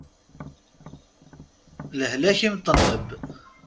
Lehlak imṭenneb.